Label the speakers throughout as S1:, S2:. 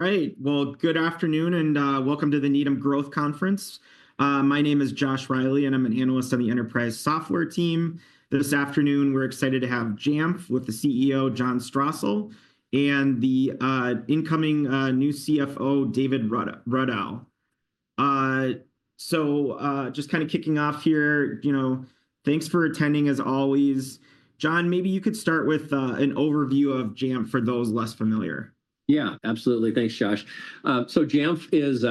S1: Great. Good afternoon and welcome to the Needham Growth Conference. My name is Josh Riley, and I'm an analyst on the enterprise software team. This afternoon, we're excited to have Jamf, with the CEO, John Strosahl, and the incoming new CFO, David Rudow. So just kind of kicking off here, you know, thanks for attending as always. John, maybe you could start with an overview of Jamf for those less familiar?
S2: Yeah, absolutely. Thanks, Josh, so Jamf is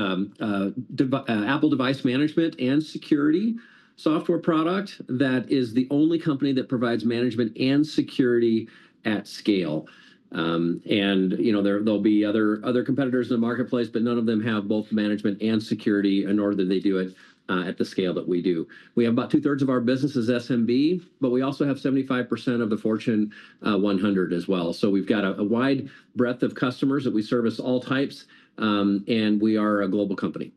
S2: Apple device management and security software product that is the only company that provides management and security at scale, and, you know, there'll be other competitors in the marketplace, but none of them have both management and security in order that they do it at the scale that we do. We have about two-thirds of our business as SMB, but we also have 75% of the Fortune 100 as well, so we've got a wide breadth of customers that we service all types, and we are a global company.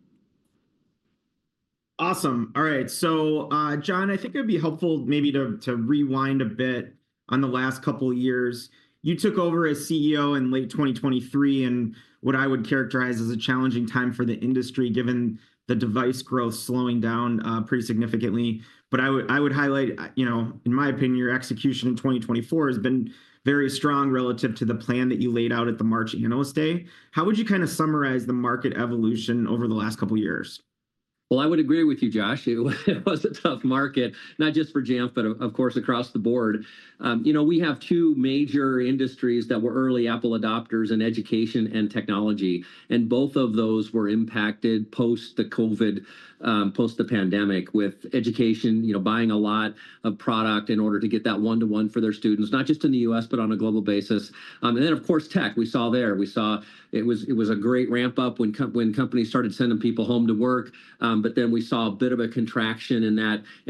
S1: Awesome. All right. So, John, I think it'd be helpful maybe to rewind a bit on the last couple of years. You took over as CEO in late 2023 in what I would characterize as a challenging time for the industry given the device growth slowing down pretty significantly. But I would highlight, you know, in my opinion, your execution in 2024 has been very strong relative to the plan that you laid out at the March Analyst Day. How would you kind of summarize the market evolution over the last couple of years?
S2: I would agree with you, Josh. It was a tough market, not just for Jamf, but of course, across the board. You know, we have two major industries that were early Apple adopters in education and technology, and both of those were impacted post the COVID, post the pandemic with education, you know, buying a lot of product in order to get that one-to-one for their students, not just in the U.S., but on a global basis. Then, of course, tech. We saw it was a great ramp-up when companies started sending people home to work, but then we saw a bit of a contraction in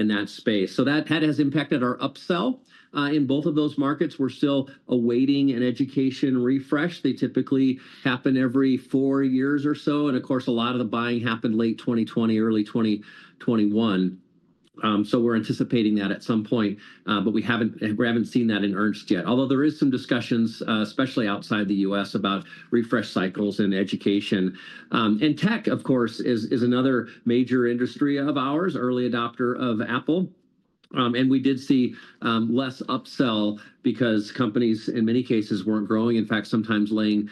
S2: that space that has impacted our upsell in both of those markets. We're still awaiting an education refresh. They typically happen every four years or so. And of course, a lot of the buying happened late 2020, early 2021. So we're anticipating that at some point, but we haven't seen that in earnest yet. Although there are some discussions, especially outside the U.S., about refresh cycles in education. And tech, of course, is another major industry of ours, early adopter of Apple. And we did see less upsell because companies, in many cases, weren't growing. In fact, sometimes laying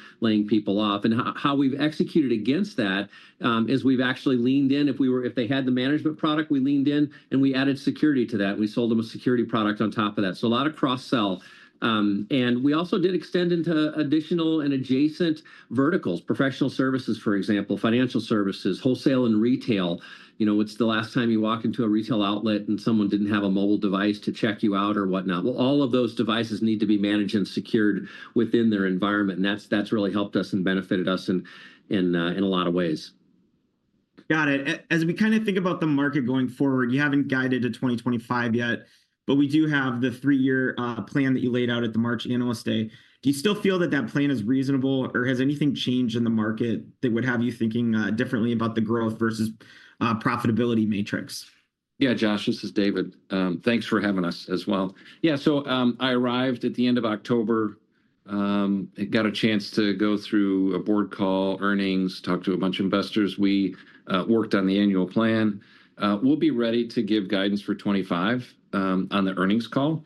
S2: people off. And how we've executed against that is we've actually leaned in. If they had the management product, we leaned in and we added security to that. We sold them a security product on top of that. So a lot of cross-sell. And we also did extend into additional and adjacent verticals, professional services, for example, financial services, wholesale and retail. You know, it's the last time you walk into a retail outlet and someone didn't have a mobile device to check you out or whatnot. Well, all of those devices need to be managed and secured within their environment. And that's really helped us and benefited us in a lot of ways.
S1: Got it. As we kind of think about the market going forward, you haven't guided to 2025 yet, but we do have the three-year plan that you laid out at the March Analyst Day. Do you still feel that that plan is reasonable or has anything changed in the market that would have you thinking differently about the growth versus profitability matrix?
S3: Yeah, Josh, this is David. Thanks for having us as well. Yeah, so I arrived at the end of October, got a chance to go through a board call, earnings, talk to a bunch of investors. We worked on the annual plan. We'll be ready to give guidance for 2025 on the earnings call,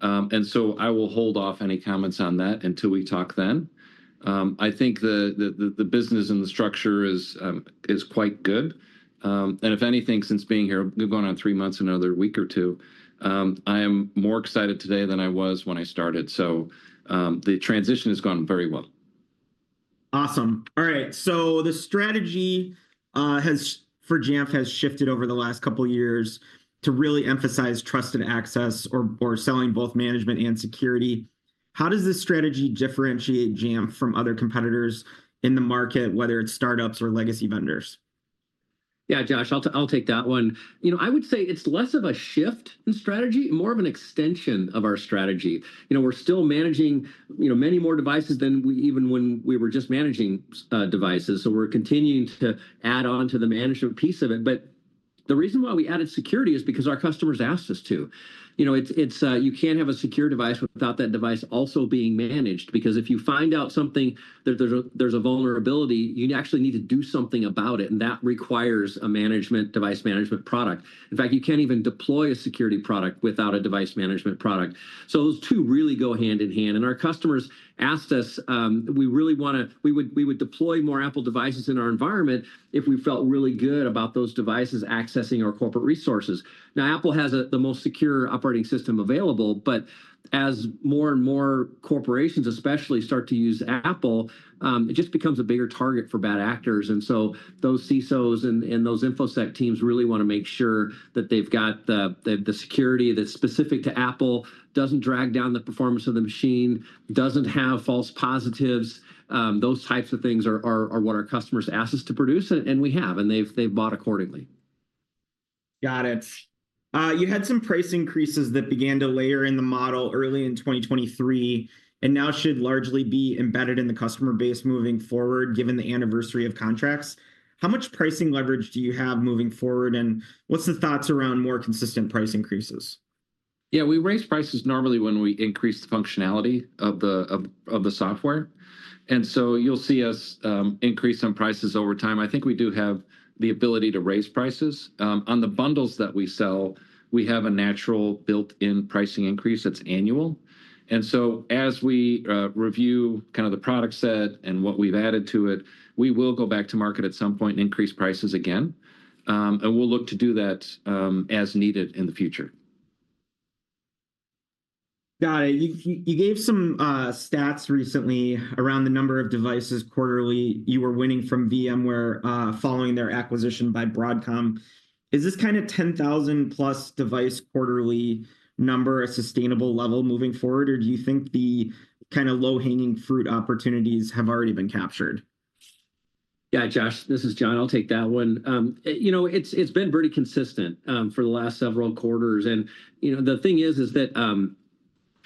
S3: and so I will hold off any comments on that until we talk then. I think the business and the structure is quite good, and if anything, since being here, we've gone on three months and another week or two, I am more excited today than I was when I started, so the transition has gone very well.
S1: Awesome. All right. So the strategy for Jamf has shifted over the last couple of years to really emphasize Trusted Access or selling both management and security. How does this strategy differentiate Jamf from other competitors in the market, whether it's startups or legacy vendors?
S2: Yeah, Josh, I'll take that one. You know, I would say it's less of a shift in strategy, more of an extension of our strategy. You know, we're still managing many more devices than even when we were just managing devices. So we're continuing to add on to the management piece of it. But the reason why we added security is because our customers asked us to. You know, you can't have a secure device without that device also being managed because if you find out something, there's a vulnerability, you actually need to do something about it. And that requires a management device management product. In fact, you can't even deploy a security product without a device management product. So those two really go hand in hand. And our customers asked us, "we really want to, we would deploy more Apple devices in our environment if we felt really good about those devices accessing our corporate resources." Now, Apple has the most secure operating system available, but as more and more corporations, especially, start to use Apple, it just becomes a bigger target for bad actors. And so those CISOs and those InfoSec teams really want to make sure that they've got the security that's specific to Apple, doesn't drag down the performance of the machine, doesn't have false positives. Those types of things are what our customers ask us to produce, and we have, and they've bought accordingly.
S1: Got it. You had some price increases that began to layer in the model early in 2023 and now should largely be embedded in the customer base moving forward given the anniversary of contracts. How much pricing leverage do you have moving forward, and what's the thoughts around more consistent price increases?
S3: Yeah, we raise prices normally when we increase the functionality of the software. And so you'll see us increase in prices over time. I think we do have the ability to raise prices. On the bundles that we sell, we have a natural built-in pricing increase that's annual. And so as we review kind of the product set and what we've added to it, we will go back to market at some point and increase prices again. And we'll look to do that as needed in the future.
S1: Got it. You gave some stats recently around the number of devices quarterly you were winning from VMware following their acquisition by Broadcom. Is this kind of 10,000-plus device quarterly number a sustainable level moving forward, or do you think the kind of low-hanging fruit opportunities have already been captured?
S2: Yeah, Josh, this is John. I'll take that one. You know, it's been pretty consistent for the last several quarters. And, you know, the thing is, is that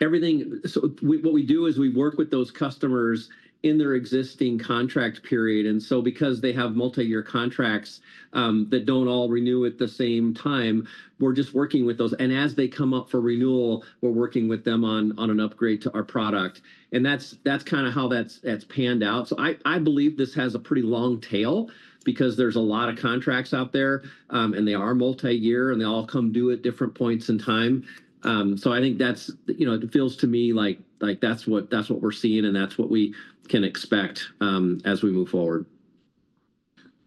S2: everything, so what we do is we work with those customers in their existing contract period. And so because they have multi-year contracts that don't all renew at the same time, we're just working with those. And as they come up for renewal, we're working with them on an upgrade to our product. And that's kind of how that's panned out. So I believe this has a pretty long tail because there's a lot of contracts out there, and they are multi-year, and they all come due at different points in time. So I think that's, you know, it feels to me like that's what we're seeing, and that's what we can expect as we move forward.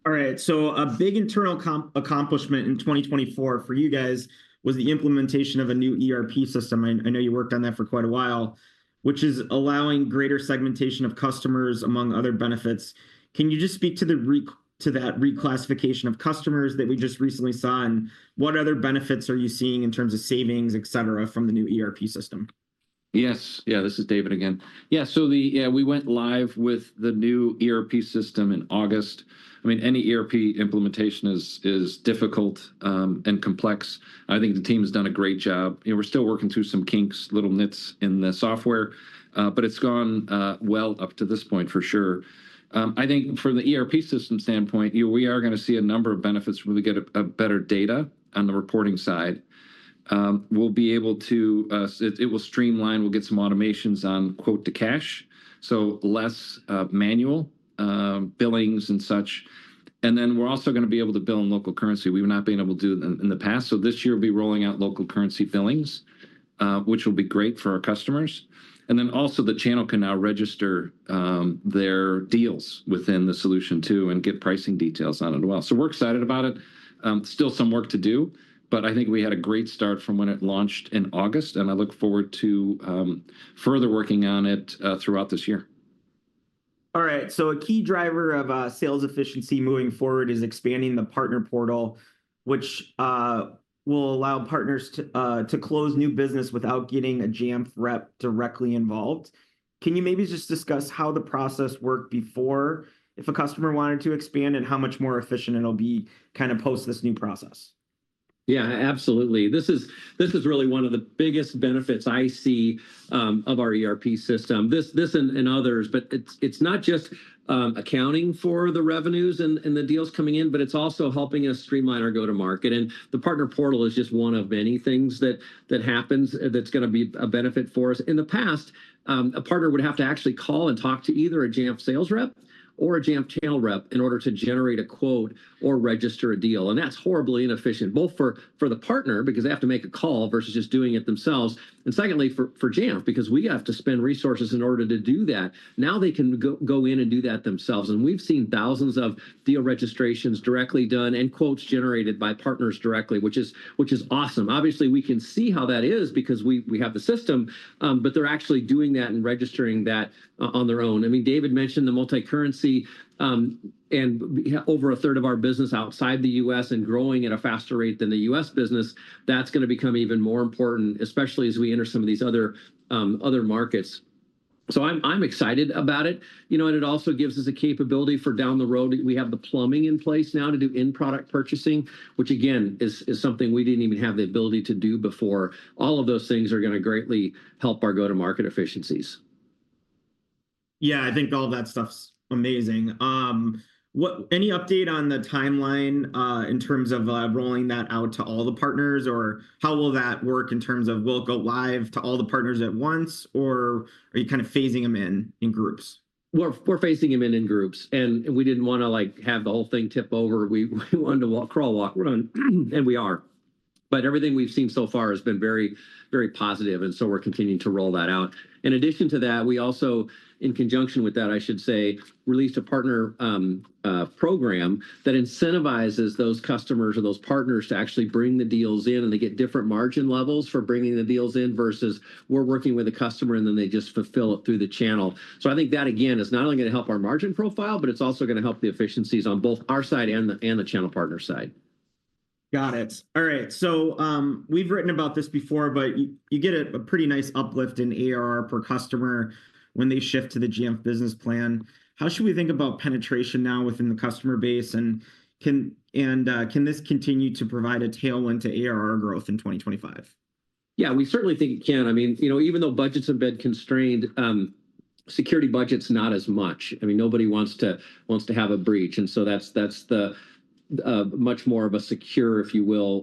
S1: All right, so a big internal accomplishment in 2024 for you guys was the implementation of a new ERP system. I know you worked on that for quite a while, which is allowing greater segmentation of customers among other benefits. Can you just speak to that reclassification of customers that we just recently saw, and what other benefits are you seeing in terms of savings, et cetera, from the new ERP system?
S3: Yes. Yeah, this is David again. Yeah. So we went live with the new ERP system in August. I mean, any ERP implementation is difficult and complex. I think the team has done a great job. We're still working through some kinks, little nits in the software, but it's gone well up to this point, for sure. I think from the ERP system standpoint, we are going to see a number of benefits when we get better data on the reporting side. We'll be able to. It will streamline. We'll get some automations on quote-to-cash, so less manual billings and such. And then we're also going to be able to bill in local currency. We've not been able to do it in the past. So this year, we'll be rolling out local currency billings, which will be great for our customers. And then also the channel can now register their deals within the solution too and get pricing details on it as well. So we're excited about it. Still some work to do, but I think we had a great start from when it launched in August, and I look forward to further working on it throughout this year.
S1: All right. So a key driver of sales efficiency moving forward is expanding the partner portal, which will allow partners to close new business without getting a Jamf rep directly involved. Can you maybe just discuss how the process worked before if a customer wanted to expand and how much more efficient it'll be kind of post this new process?
S2: Yeah, absolutely. This is really one of the biggest benefits I see of our ERP system. This and others, but it's not just accounting for the revenues and the deals coming in, but it's also helping us streamline our go-to-market. And the partner portal is just one of many things that happens that's going to be a benefit for us. In the past, a partner would have to actually call and talk to either a Jamf sales rep or a Jamf channel rep in order to generate a quote or register a deal. And that's horribly inefficient, both for the partner because they have to make a call versus just doing it themselves. And secondly, for Jamf, because we have to spend resources in order to do that, now they can go in and do that themselves. We've seen thousands of deal registrations directly done and quotes generated by partners directly, which is awesome. Obviously, we can see how that is because we have the system, but they're actually doing that and registering that on their own. I mean, David mentioned the multi-currency and over a third of our business outside the U.S. and growing at a faster rate than the U.S. business. That's going to become even more important, especially as we enter some of these other markets. I'm excited about it. You know, and it also gives us a capability for down the road. We have the plumbing in place now to do in-product purchasing, which again, is something we didn't even have the ability to do before. All of those things are going to greatly help our go-to-market efficiencies.
S1: Yeah, I think all of that stuff's amazing. Any update on the timeline in terms of rolling that out to all the partners, or how will that work in terms of we'll go live to all the partners at once, or are you kind of phasing them in in groups?
S2: We're phasing them in in groups. And we didn't want to have the whole thing tip over. We wanted to crawl, walk, run, and we are. But everything we've seen so far has been very, very positive. And so we're continuing to roll that out. In addition to that, we also, in conjunction with that, I should say, released a partner program that incentivizes those customers or those partners to actually bring the deals in, and they get different margin levels for bringing the deals in versus we're working with a customer, and then they just fulfill it through the channel. So I think that, again, is not only going to help our margin profile, but it's also going to help the efficiencies on both our side and the channel partner side.
S1: Got it. All right. So we've written about this before, but you get a pretty nice uplift in ARR per customer when they shift to the Jamf Business Plan. How should we think about penetration now within the customer base, and can this continue to provide a tailwind to ARR growth in 2025?
S2: Yeah, we certainly think it can. I mean, you know, even though budgets have been constrained, security budgets, not as much. I mean, nobody wants to have a breach. And so that's much more of a secure, if you will,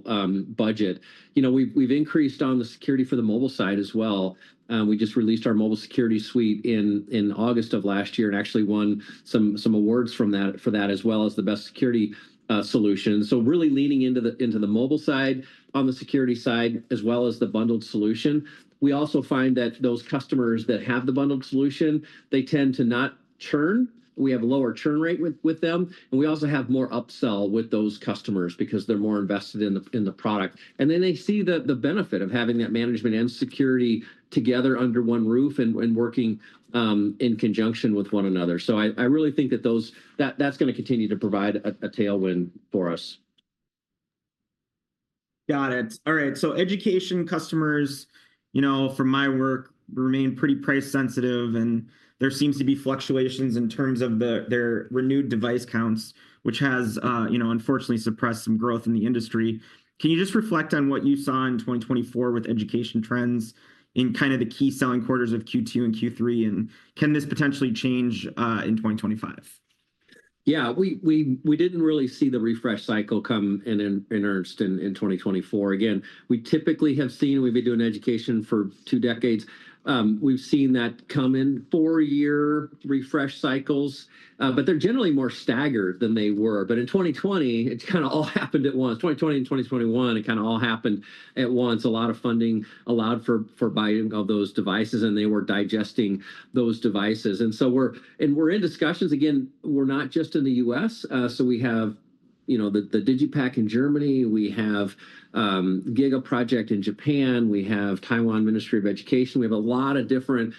S2: budget. You know, we've increased on the security for the mobile side as well. We just released our mobile security suite in August of last year and actually won some awards for that as well as the best security solution. So really leaning into the mobile side on the security side as well as the bundled solution. We also find that those customers that have the bundled solution, they tend to not churn. We have a lower churn rate with them. And we also have more upsell with those customers because they're more invested in the product. They see the benefit of having that management and security together under one roof and working in conjunction with one another. I really think that that's going to continue to provide a tailwind for us.
S1: Got it. All right. So education customers, you know, from my work, remain pretty price sensitive, and there seems to be fluctuations in terms of their renewed device counts, which has, you know, unfortunately suppressed some growth in the industry. Can you just reflect on what you saw in 2024 with education trends in kind of the key selling quarters of Q2 and Q3, and can this potentially change in 2025?
S2: Yeah, we didn't really see the refresh cycle come in earnest in 2024. Again, we typically have seen, we've been doing education for two decades. We've seen that come in four-year refresh cycles, but they're generally more staggered than they were. But in 2020, it kind of all happened at once. 2020 and 2021, it kind of all happened at once. A lot of funding allowed for buying of those devices, and they were digesting those devices. And so we're in discussions. Again, we're not just in the U.S. So we have the DigitalPakt in Germany. We have GIGA Project in Japan. We have Taiwan Ministry of Education. We have a lot of different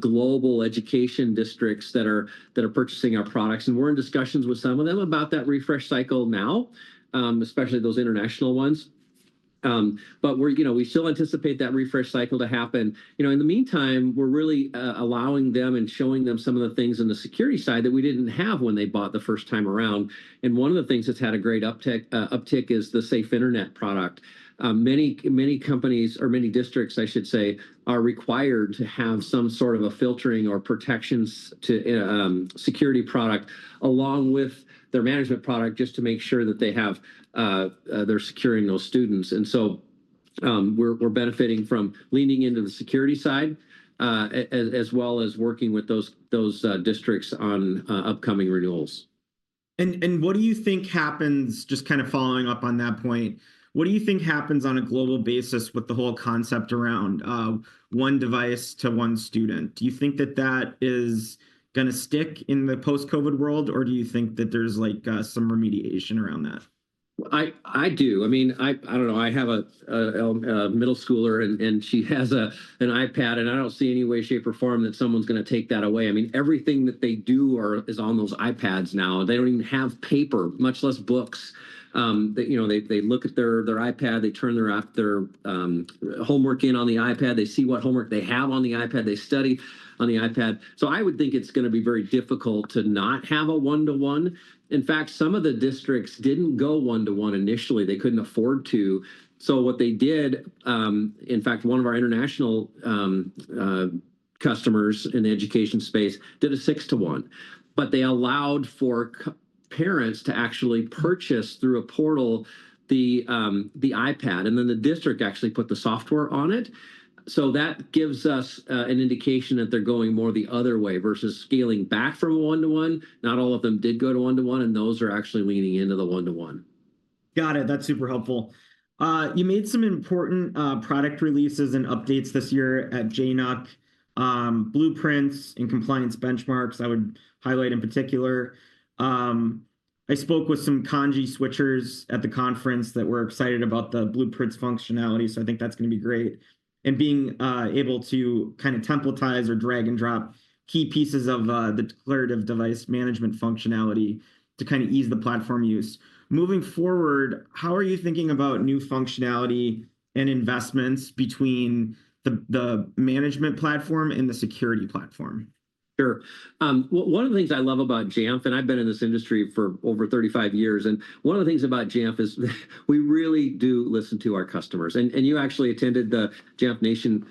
S2: global education districts that are purchasing our products. And we're in discussions with some of them about that refresh cycle now, especially those international ones. But we still anticipate that refresh cycle to happen. You know, in the meantime, we're really allowing them and showing them some of the things in the security side that we didn't have when they bought the first time around. And one of the things that's had a great uptick is the Safe Internet product. Many companies or many districts, I should say, are required to have some sort of a filtering or protection security product along with their management product just to make sure that they're securing those students. And so we're benefiting from leaning into the security side as well as working with those districts on upcoming renewals.
S1: What do you think happens, just kind of following up on that point, what do you think happens on a global basis with the whole concept around one device to one student? Do you think that that is going to stick in the post-COVID world, or do you think that there's some remediation around that?
S2: I do. I mean, I don't know. I have a middle schooler, and she has an iPad, and I don't see any way, shape, or form that someone's going to take that away. I mean, everything that they do is on those iPads now. They don't even have paper, much less books. You know, they look at their iPad, they turn their homework in on the iPad, they see what homework they have on the iPad, they study on the iPad. So I would think it's going to be very difficult to not have a one-to-one. In fact, some of the districts didn't go one-to-one initially. They couldn't afford to. So what they did, in fact, one of our international customers in the education space did a six-to-one, but they allowed for parents to actually purchase through a portal the iPad, and then the district actually put the software on it. So that gives us an indication that they're going more the other way versus scaling back from a one-to-one. Not all of them did go to one-to-one, and those are actually leaning into the one-to-one.
S1: Got it. That's super helpful. You made some important product releases and updates this year at JNUC. Blueprints and Compliance Benchmarks, I would highlight in particular. I spoke with some Kandji switchers at the conference that were excited about the Blueprints functionality, so I think that's going to be great. Being able to kind of templatize or drag and drop key pieces of the declarative device management functionality to kind of ease the platform use. Moving forward, how are you thinking about new functionality and investments between the management platform and the security platform?
S2: Sure. One of the things I love about Jamf, and I've been in this industry for over 35 years, and one of the things about Jamf is we really do listen to our customers. And you actually attended the Jamf Nation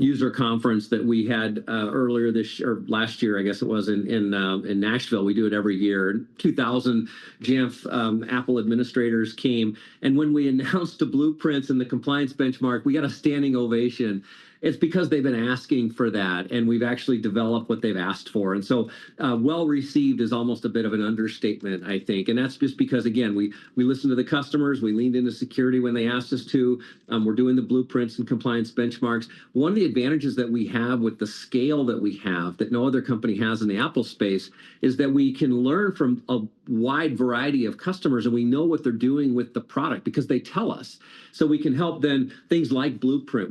S2: User Conference that we had earlier this or last year, I guess it was, in Nashville. We do it every year. 2,000 Jamf Apple administrators came. And when we announced the Blueprints and the Compliance Benchmark, we got a standing ovation. It's because they've been asking for that, and we've actually developed what they've asked for. And so well received is almost a bit of an understatement, I think. And that's just because, again, we listened to the customers. We leaned into security when they asked us to. We're doing the Blueprints and Compliance Benchmarks. One of the advantages that we have with the scale that we have that no other company has in the Apple space is that we can learn from a wide variety of customers, and we know what they're doing with the product because they tell us. So we can help then things like Blueprints.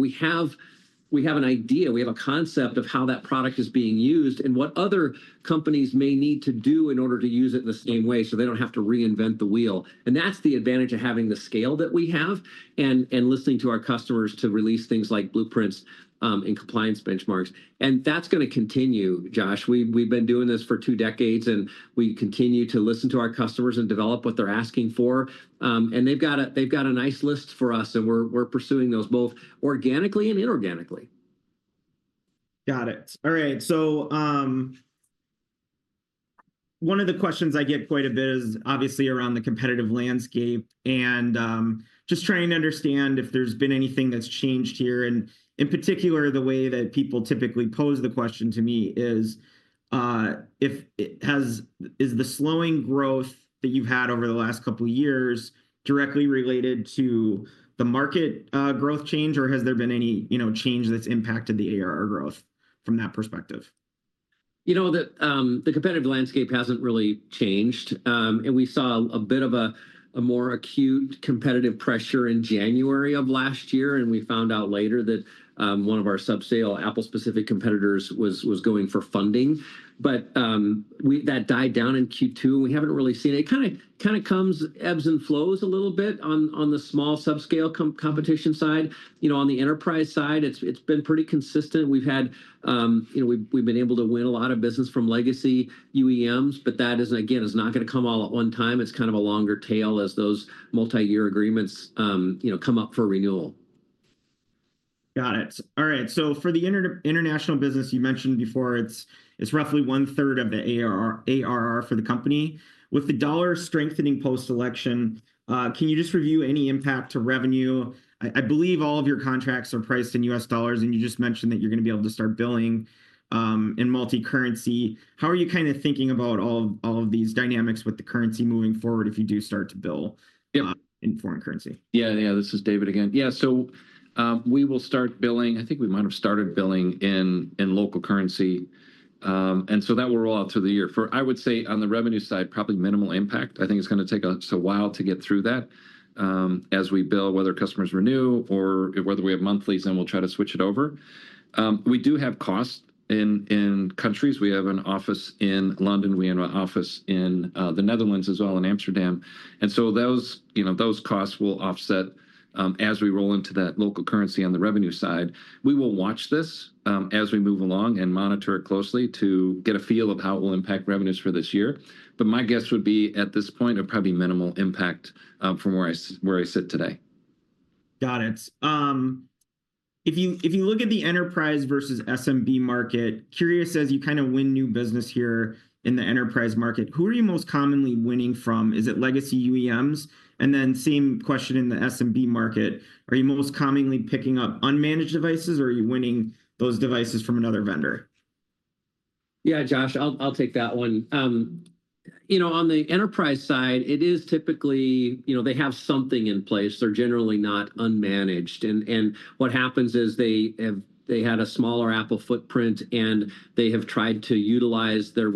S2: We have an idea. We have a concept of how that product is being used and what other companies may need to do in order to use it in the same way so they don't have to reinvent the wheel. And that's the advantage of having the scale that we have and listening to our customers to release things like Blueprints and Compliance Benchmarks. And that's going to continue, Josh. We've been doing this for two decades, and we continue to listen to our customers and develop what they're asking for. They've got a nice list for us, and we're pursuing those both organically and inorganically.
S1: Got it. All right, so one of the questions I get quite a bit is obviously around the competitive landscape and just trying to understand if there's been anything that's changed here, and in particular, the way that people typically pose the question to me is, is the slowing growth that you've had over the last couple of years directly related to the market growth change, or has there been any change that's impacted the ARR growth from that perspective?
S2: You know, the competitive landscape hasn't really changed, and we saw a bit of a more acute competitive pressure in January of last year, and we found out later that one of our subscale Apple-specific competitors was going for funding, but that died down in Q2, and we haven't really seen it. It kind of comes ebbs and flows a little bit on the small subscale competition side. You know, on the enterprise side, it's been pretty consistent. We've been able to win a lot of business from legacy UEMs, but that, again, is not going to come all at one time. It's kind of a longer tail as those multi-year agreements come up for renewal.
S1: Got it. All right. So for the international business, you mentioned before it's roughly one-third of the ARR for the company. With the dollar strengthening post-election, can you just review any impact to revenue? I believe all of your contracts are priced in US dollars, and you just mentioned that you're going to be able to start billing in multi-currency. How are you kind of thinking about all of these dynamics with the currency moving forward if you do start to bill in foreign currency?
S3: Yeah, yeah, this is David again. Yeah, so we will start billing. I think we might have started billing in local currency. And so that will roll out through the year. I would say on the revenue side, probably minimal impact. I think it's going to take us a while to get through that as we bill, whether customers renew or whether we have monthlies, and we'll try to switch it over. We do have costs in countries. We have an office in London. We have an office in the Netherlands as well in Amsterdam. And so those costs will offset as we roll into that local currency on the revenue side. We will watch this as we move along and monitor it closely to get a feel of how it will impact revenues for this year. But my guess would be at this point, it would probably be minimal impact from where I sit today.
S1: Got it. If you look at the enterprise versus SMB market, curious says you kind of win new business here in the enterprise market. Who are you most commonly winning from? Is it legacy UEMs? And then same question in the SMB market. Are you most commonly picking up unmanaged devices, or are you winning those devices from another vendor?
S2: Yeah, Josh, I'll take that one. You know, on the enterprise side, it is typically, you know, they have something in place. They're generally not unmanaged. And what happens is they had a smaller Apple footprint, and they have tried to utilize their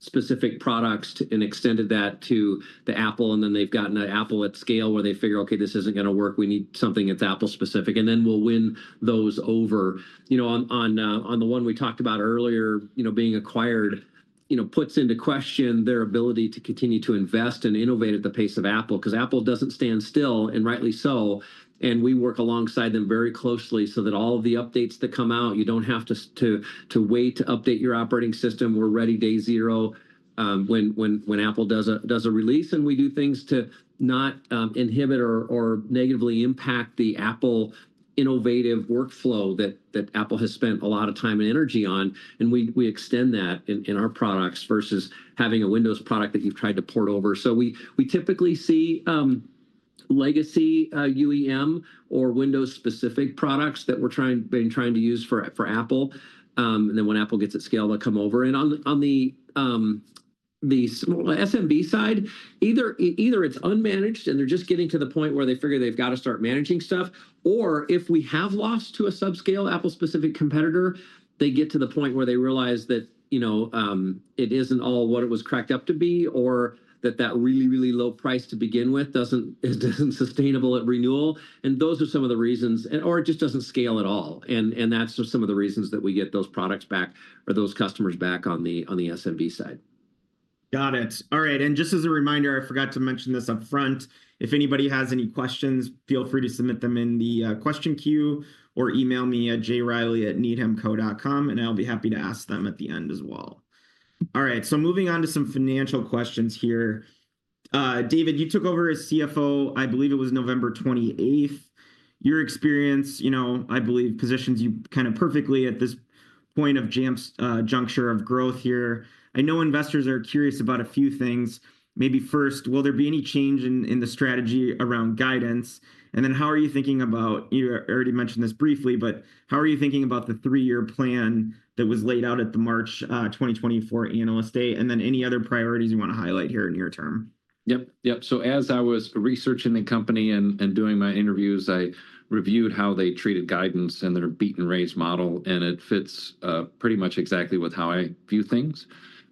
S2: Windows-specific products and extended that to the Apple. And then they've gotten an Apple at scale where they figure, "Okay, this isn't going to work. We need something that's Apple-specific." And then we'll win those over. You know, on the one we talked about earlier, you know, being acquired, you know, puts into question their ability to continue to invest and innovate at the pace of Apple because Apple doesn't stand still, and rightly so. And we work alongside them very closely so that all of the updates that come out, you don't have to wait to update your operating system. We're ready day zero when Apple does a release. And we do things to not inhibit or negatively impact the Apple innovative workflow that Apple has spent a lot of time and energy on. And we extend that in our products versus having a Windows product that you've tried to port over. So we typically see legacy UEM or Windows-specific products that we're trying to use for Apple. And then when Apple gets at scale, they'll come over. And on the SMB side, either it's unmanaged and they're just getting to the point where they figure they've got to start managing stuff, or if we have lost to a sub-scale Apple-specific competitor, they get to the point where they realize that, you know, it isn't all what it was cracked up to be or that that really, really low price to begin with isn't sustainable at renewal. Those are some of the reasons, or it just doesn't scale at all. That's some of the reasons that we get those products back or those customers back on the SMB side.
S1: Got it. All right. And just as a reminder, I forgot to mention this upfront. If anybody has any questions, feel free to submit them in the question queue or email me at jreilly@needhamco.com, and I'll be happy to ask them at the end as well. All right. So moving on to some financial questions here. David, you took over as CFO, I believe it was November 28th. Your experience, you know, I believe positions you kind of perfectly at this point of Jamf's juncture of growth here. I know investors are curious about a few things. Maybe first, will there be any change in the strategy around guidance? And then how are you thinking about, you already mentioned this briefly, but how are you thinking about the three-year plan that was laid out at the March 2024 analyst day? And then any other priorities you want to highlight here in your term?
S3: Yep, yep. So as I was researching the company and doing my interviews, I reviewed how they treated guidance and their beat-and-raise model, and it fits pretty much exactly with how I view things.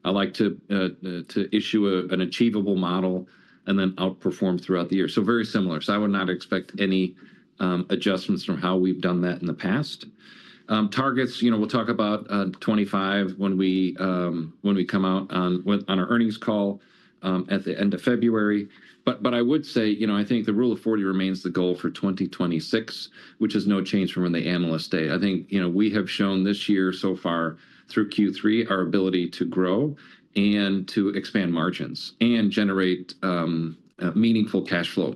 S3: I like to issue an achievable model and then outperform throughout the year, so very similar, so I would not expect any adjustments from how we've done that in the past. Targets, you know, we'll talk about 25 when we come out on our earnings call at the end of February. But I would say, you know, I think the Rule of 40 remains the goal for 2026, which is no change from when the Analyst Day. I think, you know, we have shown this year so far through Q3 our ability to grow and to expand margins and generate meaningful cash flow.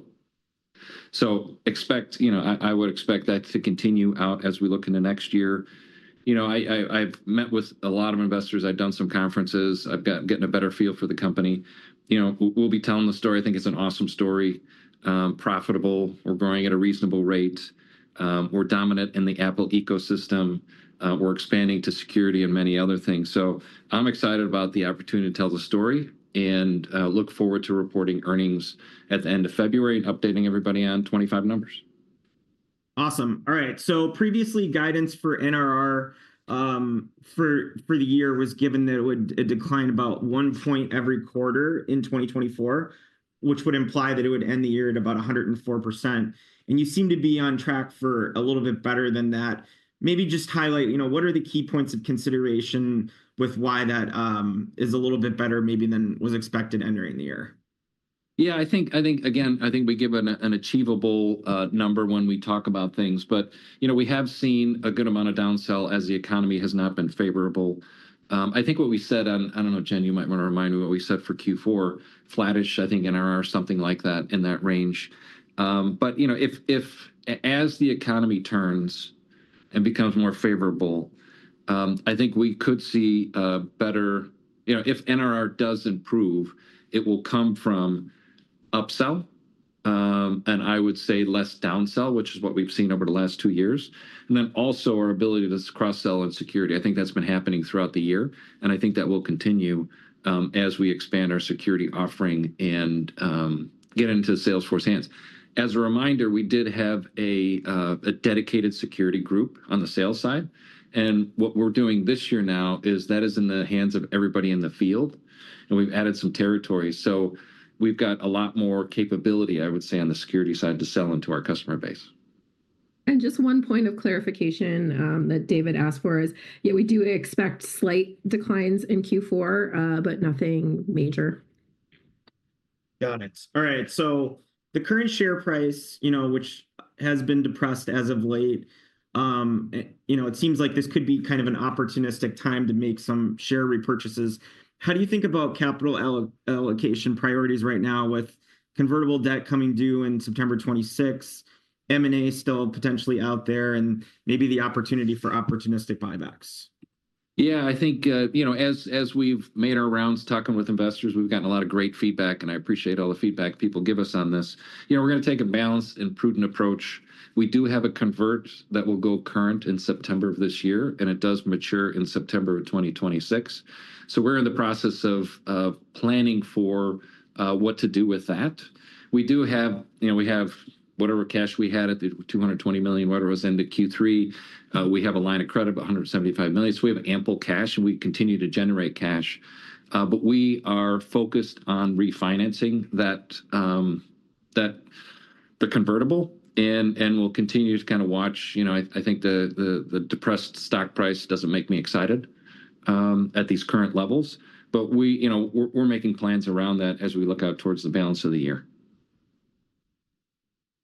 S3: So, expect, you know, I would expect that to continue out as we look into next year. You know, I've met with a lot of investors. I've done some conferences. I've gotten a better feel for the company. You know, we'll be telling the story. I think it's an awesome story. Profitable. We're growing at a reasonable rate. We're dominant in the Apple ecosystem. We're expanding to security and many other things. So, I'm excited about the opportunity to tell the story and look forward to reporting earnings at the end of February and updating everybody on 2025 numbers.
S1: Awesome. All right. So previously, guidance for NRR for the year was given that it would decline about one point every quarter in 2024, which would imply that it would end the year at about 104%. And you seem to be on track for a little bit better than that. Maybe just highlight, you know, what are the key points of consideration with why that is a little bit better maybe than was expected entering the year?
S4: Yeah, I think, again, I think we give an achievable number when we talk about things. But, you know, we have seen a good amount of downsell as the economy has not been favorable. I think what we said, I don't know, Jen, you might want to remind me what we said for Q4, flattish, I think NRR, something like that in that range. But, you know, as the economy turns and becomes more favorable, I think we could see better, you know, if NRR does improve, it will come from upsell. And I would say less downsell, which is what we've seen over the last two years. And then also our ability to cross-sell in security. I think that's been happening throughout the year. And I think that will continue as we expand our security offering and get into sales force hands. As a reminder, we did have a dedicated security group on the sales side, and what we're doing this year now is, that is, in the hands of everybody in the field, and we've added some territory, so we've got a lot more capability, I would say, on the security side to sell into our customer base. Just one point of clarification that David asked for is, yeah, we do expect slight declines in Q4, but nothing major.
S1: Got it. All right. So the current share price, you know, which has been depressed as of late, you know, it seems like this could be kind of an opportunistic time to make some share repurchases. How do you think about capital allocation priorities right now with convertible debt coming due in September '26, M&A still potentially out there, and maybe the opportunity for opportunistic buybacks?
S3: Yeah, I think, you know, as we've made our rounds talking with investors, we've gotten a lot of great feedback, and I appreciate all the feedback people give us on this. You know, we're going to take a balanced and prudent approach. We do have a convertible that will go current in September of this year, and it does mature in September of 2026. So we're in the process of planning for what to do with that. We do have, you know, we have whatever cash we had at the $220 million, whatever it was in the Q3. We have a line of credit of $175 million. So we have ample cash, and we continue to generate cash. But we are focused on refinancing the convertible and will continue to kind of watch. You know, I think the depressed stock price doesn't make me excited at these current levels. But we, you know, we're making plans around that as we look out towards the balance of the year.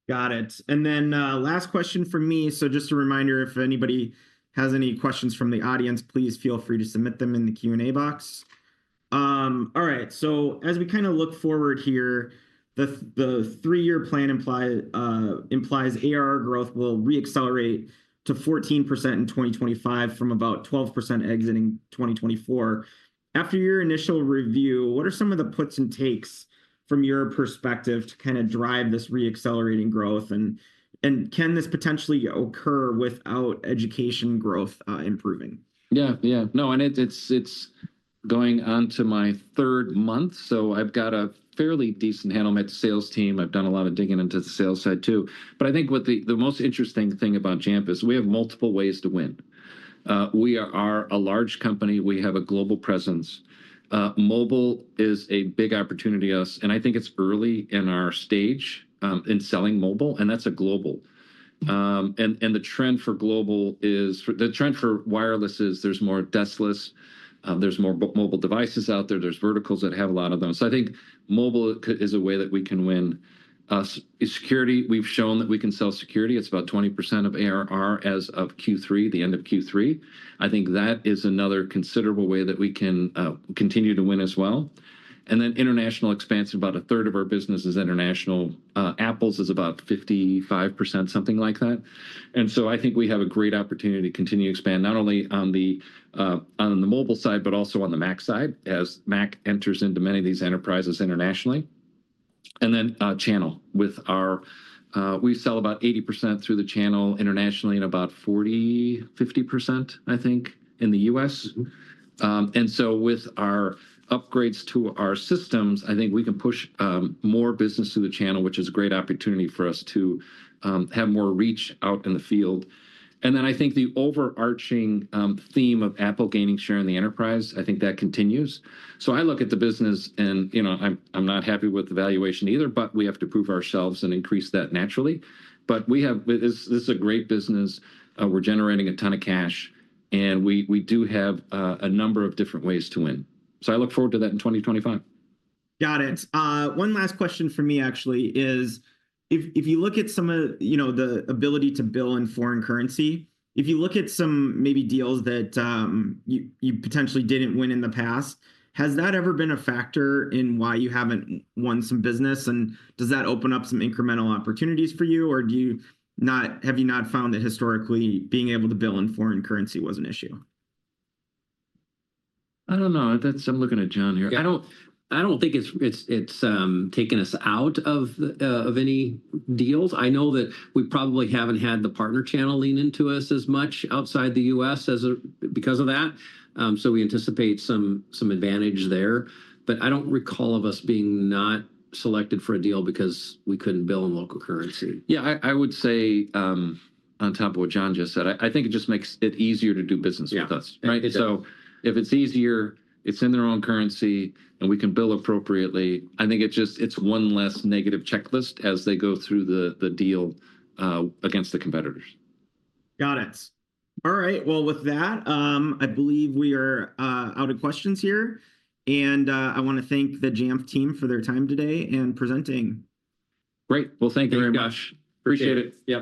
S1: Got it. And then last question for me. So just a reminder, if anybody has any questions from the audience, please feel free to submit them in the Q&A box. All right. So as we kind of look forward here, the three-year plan implies ARR growth will re-accelerate to 14% in 2025 from about 12% exiting 2024. After your initial review, what are some of the puts and takes from your perspective to kind of drive this re-accelerating growth? And can this potentially occur without education growth improving?
S3: Yeah, yeah. No, and it's going on to my third month. So I've got a fairly decent handle on my sales team. I've done a lot of digging into the sales side too. But I think what the most interesting thing about Jamf is we have multiple ways to win. We are a large company. We have a global presence. Mobile is a big opportunity to us. And I think it's early in our stage in selling mobile. And that's a global. And the trend for global is the trend for wireless is there's more deskless. There's more mobile devices out there. There's verticals that have a lot of them. So I think mobile is a way that we can win. Security, we've shown that we can sell security. It's about 20% of ARR as of Q3, the end of Q3. I think that is another considerable way that we can continue to win as well. Then international expansion. About a third of our business is international. Apple's is about 55%, something like that. So I think we have a great opportunity to continue to expand not only on the mobile side, but also on the Mac side as Mac enters into many of these enterprises internationally. Then channel. We sell about 80% through the channel internationally and about 40%-50%, I think, in the U.S. So with our upgrades to our systems, I think we can push more business through the channel, which is a great opportunity for us to have more reach out in the field. Then I think the overarching theme of Apple gaining share in the enterprise. I think that continues. So, I look at the business and, you know, I'm not happy with the valuation either, but we have to prove ourselves and increase that naturally. But we have. This is a great business. We're generating a ton of cash. And we do have a number of different ways to win. So, I look forward to that in 2025.
S1: Got it. One last question for me, actually, is if you look at some of, you know, the ability to bill in foreign currency, if you look at some maybe deals that you potentially didn't win in the past, has that ever been a factor in why you haven't won some business? And does that open up some incremental opportunities for you? Or have you not found that historically being able to bill in foreign currency was an issue?
S3: I don't know. I'm looking at John here.
S2: I don't think it's taken us out of any deals. I know that we probably haven't had the partner channel lean into us as much outside the U.S. because of that. So we anticipate some advantage there. But I don't recall of us being not selected for a deal because we couldn't bill in local currency.
S3: Yeah, I would say on top of what John just said, I think it just makes it easier to do business with us. Right? So if it's easier, it's in their own currency, and we can bill appropriately. I think it's just one less negative checklist as they go through the deal against the competitors.
S1: Got it. All right. Well, with that, I believe we are out of questions here. And I want to thank the Jamf team for their time today and presenting.
S2: Great. Well, thank you very much. Appreciate it.